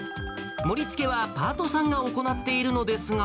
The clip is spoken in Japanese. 盛りつけはパートさんが行っているのですが。